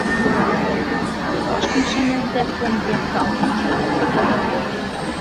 De waskmasine dêr komt gjin kalkoanslach mear yn.